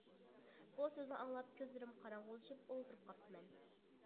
بۇ سۆزنى ئاڭلاپ، كۆزلىرىم قاراڭغۇلىشىپ ئولتۇرۇپ قاپتىمەن.